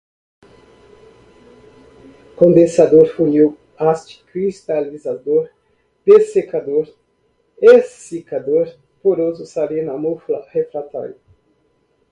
condensador, funil, haste, cristalizador, dessecador, exsicador, poroso, salina, mufla, refractário